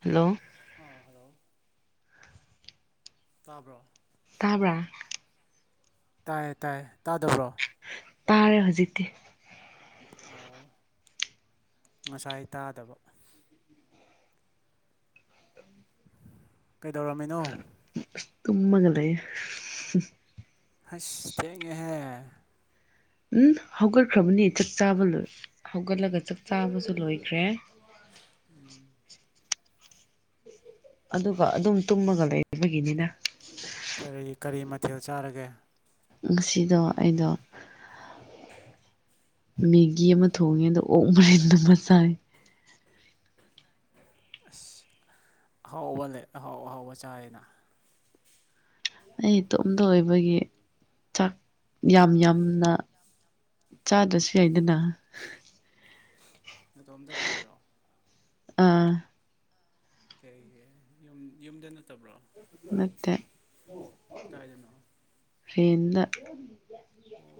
hello ꯑꯥ hello ꯇꯥꯕ꯭ꯔꯣ ꯇꯥꯕ꯭ꯔꯥ ꯇꯥꯏ ꯇꯥꯏ ꯇꯥꯗꯕ꯭ꯔꯣ ꯇꯥꯔꯦ ꯍꯧꯖꯤꯛꯗꯤ ꯑꯣ ꯉꯁꯥꯏ ꯇꯥꯗꯕ ꯀꯩꯗꯧꯔꯝꯃꯤꯅꯣ ꯇꯨꯃꯒ ꯂꯩꯌꯦ ꯑꯁ ꯊ°ꯡꯉ°ꯍꯦ ꯎꯝ ꯍꯧꯒꯠꯈ꯭ꯔꯕꯅꯤ ꯆꯥꯛ ꯆꯥꯕ ꯂ ꯍꯧꯒꯠꯂꯒ ꯆꯥꯛ ꯆꯥꯕꯁꯨ ꯂꯣꯏꯈ꯭ꯔꯦ ꯎꯝ ꯑꯗꯨꯒ ꯑꯗꯨꯝ ꯇꯨꯝꯃꯒ ꯂꯩꯕꯒꯤꯅꯤꯅ ꯀꯔꯤ ꯀꯔꯤ ꯃꯊꯦꯜ ꯆꯥꯔꯒꯦ ꯉꯁꯤꯗꯣ ꯑꯩꯗꯣ ꯃꯦꯒꯤ ꯑꯃ ꯊꯣꯡꯉꯦ ꯑꯗ ꯑꯣꯛ ꯃꯔꯤꯟꯗ ꯑꯃ ꯆꯥꯏ ꯑꯍꯥꯎꯕꯅꯦ ꯑꯍꯥꯎ ꯑꯍꯥꯎꯕ ꯆꯥꯏꯅ ꯑꯩ ꯏꯇꯣꯝꯇ ꯑꯣꯏꯕꯒꯤ ꯆꯥꯛ ꯌꯥꯝ ꯌꯥꯝꯅ ꯆꯥꯗ꯭ꯔꯁꯨ ꯌꯥꯏꯗꯅ ꯅꯇꯣꯝꯇ ꯂꯩꯔꯣ ꯑꯥ ꯀꯩ ꯌꯨꯝ ꯌꯨꯝꯗ ꯅꯠꯇꯕ꯭ꯔꯣ ꯅꯠꯇꯦ ꯀꯥꯏꯗꯅꯣ ꯔꯦꯟꯇ ꯑꯣ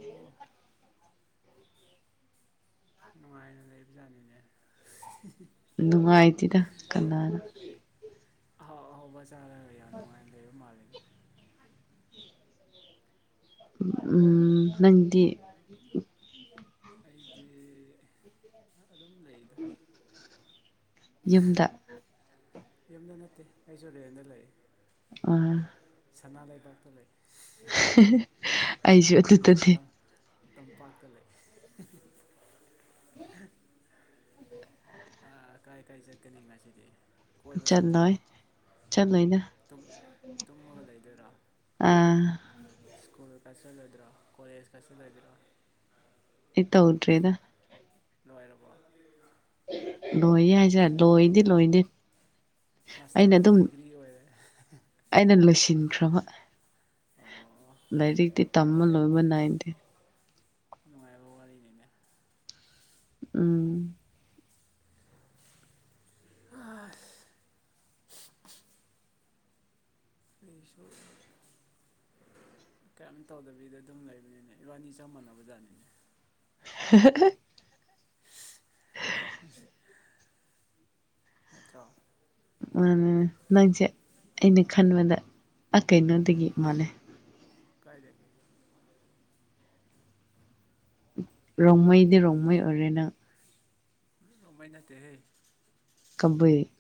ꯅꯨꯡꯉꯥꯏꯅ ꯂꯩꯕꯖꯥꯠꯅꯤꯅꯦ ꯅꯨꯡꯉꯥꯏꯇꯦꯗ ꯀꯅꯥꯅꯣ ꯑꯥꯎ ꯍꯥꯎ ꯆꯥꯔꯒ ꯌꯥꯝ ꯅꯨꯡꯉꯥꯏ ꯂꯩꯕ ꯃꯥꯜꯂꯤꯅꯦ ꯎꯝ ꯅꯪꯗꯤ ꯑꯩꯗꯤ ꯑꯗꯨꯝ ꯂꯩꯗ ꯌꯨꯝꯗ ꯌꯨꯝꯗ ꯅꯠꯇꯦ ꯑꯩꯖꯨ ꯔꯦꯟꯗ ꯂꯩ ꯑꯣ ꯁꯅꯥ ꯂꯩꯕꯥꯛꯇ ꯂꯩ ꯑꯩꯖꯨ ꯑꯗꯨꯗꯅ° ꯇꯝꯄꯥꯛꯇ ꯂꯩ ꯀꯥꯏ ꯀꯥꯏ ꯆꯠꯀꯅꯤ ꯉꯁꯤꯗꯤ ꯀꯣꯏꯕ ꯆꯠꯂꯣꯏ ꯆꯠꯇꯣꯏꯔꯣ ꯆꯠꯂꯣꯏꯗ ꯇꯨꯝꯃ ꯇꯨꯝꯃꯒ ꯂꯩꯗꯣꯏꯔꯣ ꯑꯥ ꯁ꯭ꯀꯨꯜ ꯆꯠꯂꯣꯢꯗ꯭ꯔꯥ ꯀꯣꯂꯦꯖ ꯀ ꯆꯠꯂꯣꯢꯗ꯭ꯔꯥ ꯑꯩ ꯇꯧꯗ꯭ꯔꯤꯗ ꯂꯣꯏꯔꯕ ꯂꯣꯏ ꯍꯥꯏꯁꯦ ꯂꯣꯏꯗꯤ ꯂꯣꯏꯗꯦ ꯑꯩꯅ ꯃꯥꯁꯇꯔ ꯑꯗꯨꯝ ꯗꯤꯒ꯭ꯔꯤ ꯑꯣꯏꯌꯦ ꯑꯩꯅ ꯂꯣꯏꯁꯤꯟꯈ꯭ꯔꯕ ꯑꯣ ꯂꯥꯏꯔꯤꯛꯇꯤ ꯇꯝꯕ ꯅꯨꯡꯉꯥꯏ ꯂꯣꯏꯕ ꯅꯥꯏꯗꯦ ꯅꯨꯡꯉꯥꯏꯕ ꯋꯥꯔꯤꯅꯤꯅꯦ ꯎꯝ ꯑꯥꯁ ꯑꯩꯁꯨ ꯀꯔꯤꯝ ꯇꯧꯗꯕꯤꯗ ꯑꯗꯨꯝ ꯂꯩꯕꯅꯤꯅꯦ ꯏꯕꯥꯅꯤ ꯆꯞ ꯃꯥꯟꯅꯕꯖꯥꯠꯅꯤꯅꯦ ꯍ° ꯍ ꯍ [unintelligible] ꯅꯠꯇ꯭ꯔꯣ ꯃꯥꯅꯦ ꯅꯪꯁꯦ ꯑꯩꯅ ꯈꯟꯕꯗ ꯀꯩꯅꯣꯗꯒꯤ ꯃꯥꯜꯂꯦ ꯀꯥꯏ ꯂꯩꯔꯝꯃꯤꯕ ꯔꯣꯡꯃꯩꯗꯤ ꯔꯣꯡꯃꯩ ꯑꯣꯏꯔꯦ ꯅꯪ ꯔꯣꯡꯃꯩ ꯅꯠꯇꯦꯍꯦ ꯀꯕꯨꯢ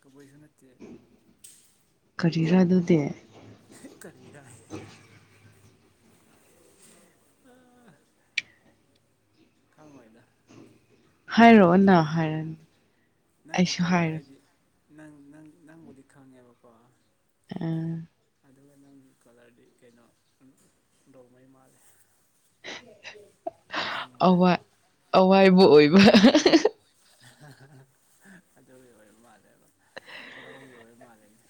ꯀꯕꯨꯏꯁꯨ ꯅꯠꯇꯦ ꯀꯔꯤꯔ ꯑꯗꯨꯗꯤ ꯀꯔꯤꯔꯦ ꯈꯪꯉꯣꯏꯗ ꯅꯪꯗꯤ ꯍꯥꯏꯔꯛꯑꯣꯅ ꯍꯥꯏꯔꯅꯤ ꯅꯪꯒꯤ ꯑꯩꯁꯨ ꯀꯣꯂꯔ ꯍꯥꯏꯔꯣꯏ ꯍꯥꯏꯗꯤ ꯅꯪ ꯅꯪ ꯅꯪꯕꯨꯗꯤ ꯈꯪꯉꯦꯕꯀꯣ ꯎꯝ ꯑꯗꯨꯒ ꯅꯪꯒꯤ ꯀꯂꯔꯗꯤ ꯀꯩꯅꯣ ꯔꯣꯡꯉꯩ ꯃꯥꯜꯂꯦ ꯅꯝꯕꯝꯕꯔ ꯑꯋꯥ ꯗꯣ ꯑꯋꯥꯏꯕ ꯑꯣꯏꯕ ꯑꯗꯨꯒꯤ ꯑꯣꯏ ꯃꯥꯜꯂꯦꯕ ꯍꯤꯔꯣꯟꯒꯤ ꯑꯣꯏꯕ ꯃꯥꯜꯜꯂꯤꯅꯦ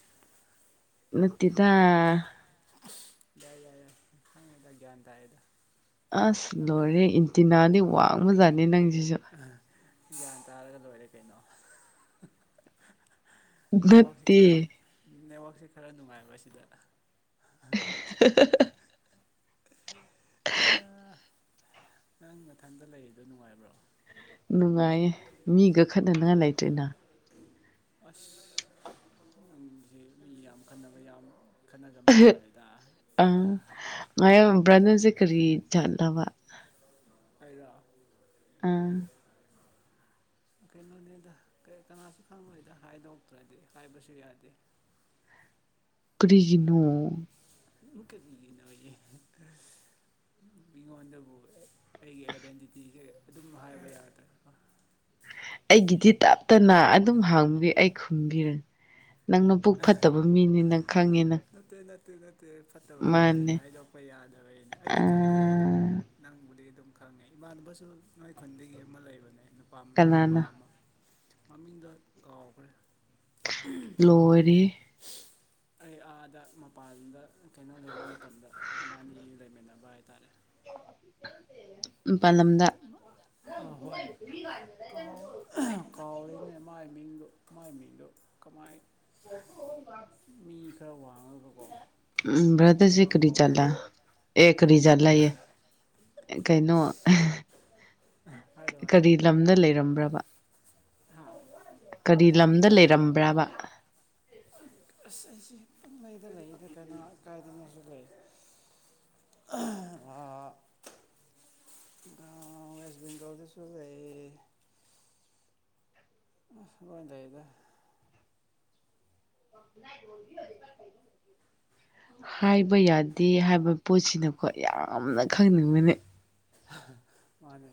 ꯅꯨꯠꯇꯗ ꯌꯥꯏ ꯌꯥꯏ ꯈꯪꯉꯦꯗ ꯒ꯭ꯌꯥꯟ ꯇꯑꯗ ꯑꯁ ꯂꯣꯏꯔꯦ ꯏꯟꯇꯤꯅꯥꯗꯤ ꯋꯥꯡꯃꯖꯥꯠꯅꯤ ꯅꯪꯁꯤꯁꯨ ꯒ꯭ꯌꯥꯟ ꯇꯥꯔꯒ ꯂꯣꯏꯔꯦ ꯀꯩꯅꯣ ꯅꯦꯠꯋꯥꯛꯁꯦ ꯠꯇꯦ ꯈꯔ ꯅꯦꯠꯋꯥꯛꯁꯦ ꯈꯔ ꯅꯨꯡꯉꯥꯏꯕ ꯁꯤꯗ ꯍ [unintelligible] ꯑ ꯅꯪ ꯅꯊꯟꯗ ꯂꯩꯔꯤꯗꯣ ꯅꯨꯡꯉꯥꯏꯕ꯭ꯔꯣ ꯅꯨꯡꯉꯥꯏꯌꯦ ꯃꯤꯒ ꯈꯠꯅꯅꯤꯉꯥꯏ ꯂꯩꯇ꯭ꯦꯅ ꯑꯁ ꯂꯝꯁꯦ ꯃꯤ ꯌꯥꯝ ꯈꯠꯅꯕ ꯌꯥꯝ ꯈꯠꯅꯔꯝꯕ ꯃꯥꯜꯂꯦꯗ ꯑꯪ ꯉꯥꯏꯌꯝꯕꯔꯥ ꯅꯪꯁꯦ ꯀꯔꯤ ꯆꯠꯂꯕ ꯑꯩꯔꯣ ꯑꯥ ꯀꯩꯅꯣꯅꯦꯗ ꯀꯅꯥꯁꯨ ꯈꯪꯗꯣꯏꯗ ꯍꯥꯏꯗꯣꯛꯇ꯭ꯔꯗꯤ ꯍꯥꯏꯕꯁꯨ ꯌꯥꯗꯦ ꯀꯔꯤꯒꯤꯅꯣ ꯑꯃꯨꯀꯒꯤꯟꯅ ꯑꯣꯏꯦ ꯃꯤꯉꯣꯟꯗꯕꯨ ꯑꯩꯒꯤ ꯑꯥꯏꯗꯦꯟꯇꯤꯇꯤꯁꯦ ꯑꯗꯨꯝ ꯍꯥꯏꯕ ꯌꯥꯗꯕ ꯑꯩꯒꯤꯗꯤ ꯇꯞꯇꯅ ꯑꯗꯨꯝ ꯍꯥꯪꯕꯤ ꯑꯩ ꯈꯨꯝꯕꯤꯔ ꯅꯪꯅ ꯄꯨꯛ ꯐꯠꯇꯕ ꯃꯤꯅꯤ ꯅ ꯈꯪꯉꯦꯅ ꯅꯠꯇꯦ ꯅꯠꯇꯦ ꯅꯠꯇꯦ ꯐꯠꯇꯕ ꯅꯠꯇꯦ ꯍꯥꯏꯗꯣꯛꯄ ꯌꯥꯗꯕꯒꯤꯅꯦ ꯑꯩꯗꯤ ꯈꯪꯉꯤꯗ ꯑꯗꯨꯝ ꯑꯥ ꯅꯪꯕꯨꯗꯤ ꯑꯗꯨꯝ ꯈꯪꯉꯦ ꯏꯃꯥꯟꯅꯕꯁꯨ ꯅꯣꯏ ꯈꯨꯟꯗꯒꯤ ꯑꯃ ꯂꯩꯕꯅꯦ ꯅꯨꯄꯥ ꯅꯨꯄꯥ ꯀꯅꯥꯅ ꯑꯃ ꯃꯃꯤꯡꯗꯣ ꯀꯥꯎꯈ꯭ꯔꯦ ꯂꯣꯏꯔꯦꯍꯦ ꯑꯩ ꯑꯥꯗ ꯃꯄꯥꯟꯗ ꯀꯩꯅꯣ ꯂꯩꯕ ꯃꯇꯝꯗ ꯏꯕꯥꯅꯤ ꯂꯩꯃꯤꯟꯅꯕ ꯍꯥꯏꯇꯥꯔꯦ ꯝꯄꯥꯜ ꯂꯝꯗ ꯑ ꯍꯣꯏ ꯀꯥꯎ ꯀꯥꯎꯔꯦꯅꯦ ꯃꯥꯏ ꯃꯤꯡꯗꯣ ꯃꯥꯏ ꯃꯤꯡꯗꯣ ꯀꯃꯥꯏ [unintelligible] ꯃꯤ ꯈꯔ ꯋꯥꯡꯉꯒꯀꯣ ꯈꯔ ꯉꯥꯎ ꯑꯦꯛ ꯔꯤꯖꯟ ꯂꯩꯌꯦ ꯑ ꯀꯩꯅꯣ ꯀꯔꯤ ꯂꯝꯗ ꯂꯩꯔꯝꯕ꯭ꯔꯕ ꯍꯥꯥ ꯀꯔꯤ ꯂꯝꯗ ꯂꯩꯔꯝꯕ꯭ꯔꯕ ꯑꯁ ꯑꯩꯁꯦ ꯄꯨꯡꯂꯩꯗ ꯂꯩꯗ ꯀꯩꯅꯣ ꯀꯥꯏꯗꯅꯁꯨ ꯂꯩ [unintelligible] ꯑ ꯋꯁ ꯦꯡꯒꯜꯗꯁꯨꯁꯦ [unintelligible] [unintelligible] ꯍꯥꯏꯕ ꯌꯥꯗꯦ ꯍꯥꯏꯕ ꯄꯣꯠꯁꯤꯅꯀꯣ ꯌꯥꯝꯅ ꯈꯪꯅꯤꯡꯕꯅꯤ ꯍꯥꯍꯥ ꯃꯥꯅꯦ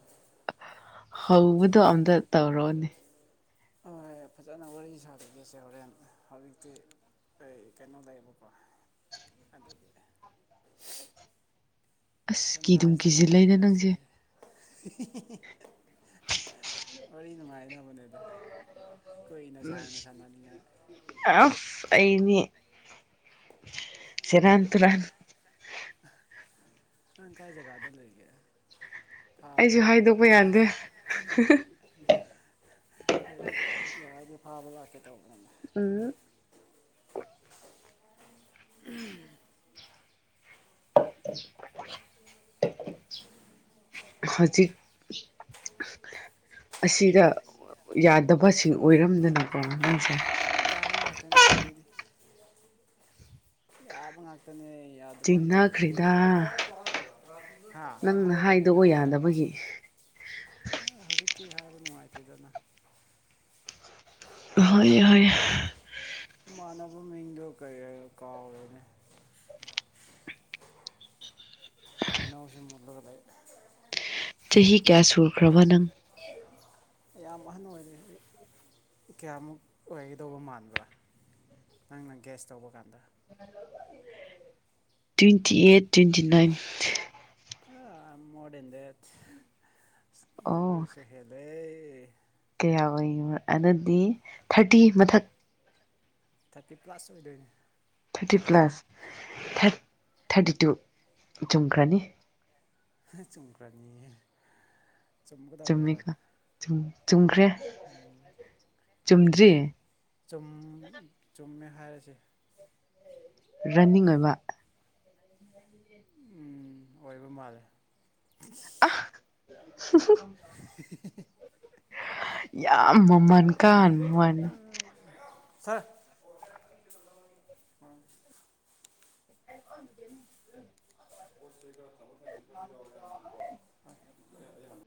ꯍꯧꯕꯗꯣ ꯑꯝꯇ ꯇꯧꯔꯛꯑꯣꯅꯦ ꯍꯣꯏ ꯐꯖꯅ ꯋꯥꯔꯤ ꯁꯥꯖꯒꯦꯁꯦ ꯍꯣꯔꯦꯟ ꯍꯧꯖꯤꯛꯇꯤ ꯑꯣꯏ ꯀꯩꯅꯣ ꯂꯩꯕꯀꯦ ꯑꯗꯨꯒꯤ ꯑꯁ ꯀꯤꯗꯨꯝ ꯇꯟꯖꯥꯁꯤꯗ ꯊꯕꯛꯀ ꯀꯤꯖꯤꯜꯂꯩꯗ ꯅꯪꯁꯦ ꯂꯥꯛꯁꯤꯜꯂꯦ ꯍꯤ ꯍꯤ ꯍꯤ ꯍꯤ ꯋꯥꯔꯤ ꯅꯨꯡꯉꯥꯏꯅꯕꯅꯦ ꯗ‌ꯣ ꯀꯨꯏꯅ ꯁꯥꯡꯅ ꯁꯥꯟꯅꯅꯤꯡꯉꯥ ꯑꯁ ꯑꯩꯅꯤ ꯁꯦꯔꯥꯟ ꯇꯨꯔꯥꯟ ꯅꯪ ꯀꯥꯏ ꯖꯒꯥꯗ ꯂꯩꯒꯦ ꯐꯥꯕ ꯑꯩꯁꯨ ꯂꯥꯛꯀꯦ ꯍꯥꯏꯗꯣꯛꯄ ꯌꯥꯗꯦ ꯍꯥꯍꯥ ꯑꯩ ꯌꯥꯗꯣ ꯐꯥꯕ ꯂꯥꯛꯀꯦ ꯇꯧꯕꯅꯦ ꯎꯝ ꯎꯍꯝ [unintelligible] ꯍꯧꯖꯤꯛ ꯑꯁꯤꯗ ꯌꯥꯗꯕꯁꯤꯡ ꯑꯣꯏꯔꯝꯗꯅꯀꯣ ꯅꯪꯁꯦ ꯌꯥꯕ ꯉꯥꯛꯇꯅꯦ ꯑꯗ‌ꯣ ꯑꯩꯗꯤ ꯌꯥꯕ ꯉꯥꯛꯇꯅꯦ ꯌꯥ ꯗꯕ ꯑꯝꯇ ꯂꯩꯇ‌ꯦ ꯆꯤꯡꯅꯈ꯭ꯔꯦꯗ [unintelligible] ꯍꯥ ꯅꯪꯅ ꯍꯥꯏꯗꯣꯛꯑꯣ ꯌꯥꯗꯕꯒꯤ ꯅ ꯍꯧꯖꯤꯛꯇꯤ ꯍꯥꯏꯕ ꯅꯨꯡꯉꯥꯏꯇ‌ꯦꯗꯅ ꯍꯣꯏ ꯍꯣꯏ ꯏꯃꯥꯟꯅꯕ ꯃꯤꯡꯗꯣ ꯀꯩꯑ ꯀꯥꯎꯔꯦꯅꯦ ꯍꯩꯅꯧꯁꯦ ꯃꯨꯜꯂꯒ ꯂꯩ ꯆꯍꯤ ꯀꯌꯥ ꯁꯨꯈ꯭ꯔꯕ ꯅꯪ ꯌꯥꯝ ꯑꯍꯟ ꯑꯣꯏꯔꯦ ꯑꯩ ꯀꯌꯥꯃꯨꯛ ꯑꯣꯏꯒꯗꯧꯕ ꯃꯥꯟꯕ꯭ꯔꯥ ꯅꯪꯅ ꯒꯦꯁ ꯇꯧꯕ ꯀꯥꯟꯗ ꯇ꯭ꯋꯦꯟꯇꯤ ꯑꯩꯠ ꯇ꯭ꯋꯦꯟꯇꯤ ꯅꯥꯏꯟ ꯍ ꯃꯣꯔ ꯗꯦꯟ ꯗꯦꯠ ꯑꯣ ꯗꯨꯗꯒꯤꯁꯨ ꯍꯦꯜꯂꯦ ꯀꯌꯥ ꯑꯣꯏꯕ ꯑꯗꯨꯗꯤ ꯊꯥꯔꯇꯤ ꯃꯊꯛ ꯊꯥꯔꯇꯤ ꯄ꯭ꯂꯥꯁ ꯑꯣꯏꯗꯣꯏꯅꯦ ꯊꯥꯔꯇꯤ ꯄ꯭ꯂꯁ ꯊꯥꯔ ꯑꯥ ꯊꯥꯔꯇꯤ ꯇꯨ ꯆꯨꯝꯈ꯭ꯔꯅꯤ ꯆꯨꯝꯈ꯭ꯔꯅꯤꯌ‌ꯦ ꯆꯨꯝꯃꯤꯀꯣ ꯆꯨꯝ ꯆꯨꯝꯈ꯭ꯔꯦ ꯆꯨꯝꯗ꯭ꯔꯤ ꯆꯨꯝ ꯆꯨꯝꯃꯦ ꯍꯥꯏꯔꯁꯦ ꯔꯟꯅꯤꯡ ꯑꯣꯏꯕ ꯎꯝ ꯑꯣꯏꯕ ꯃꯥꯜꯂꯦ [unintelligible] ꯍꯤ ꯍꯤ [unintelligible] ꯌꯥꯝ ꯃꯃꯟ ꯀꯥꯍꯟꯕ ꯋꯥꯅ‌ꯦ [unintelligible] ꯁꯔ [unintelligible] ꯄꯣꯠ ꯆꯩ ꯈꯔ ꯊꯥꯡꯗ‌ꯣꯛ ꯊꯥꯡꯖꯤꯟ [unintelligible] ꯈꯔꯁꯨ ꯌꯥꯎꯋ‌ꯦ ꯍꯥꯏꯕꯅꯦꯕꯀꯣ ꯑꯩ ꯍꯥꯟ